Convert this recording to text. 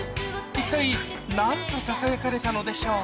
一体何とささやかれたのでしょう？